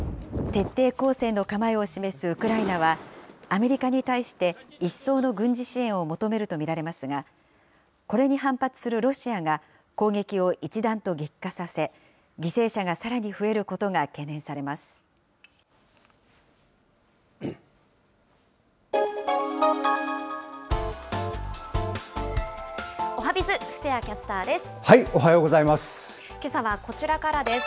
徹底抗戦の構えを示すウクライナは、アメリカに対して、一層の軍事支援を求めると見られますが、これに反発するロシアが攻撃を一段と激化させ、犠牲者がさらに増おはＢｉｚ、おはようございます。